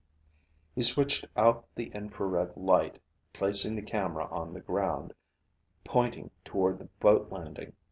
He switched out the infrared light, placing the camera on the ground, pointing toward the boat landing.